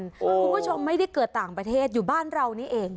คุณผู้ชมไม่ได้เกิดต่างประเทศอยู่บ้านเรานี่เอง